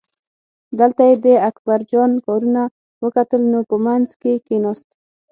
دلته یې د اکبرجان کارونه وکتل نو په منځ کې کیناست.